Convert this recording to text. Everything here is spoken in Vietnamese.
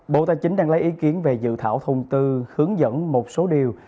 bộ tài chính đang lấy ý kiến về dự thảo thông tư hướng dẫn một số điều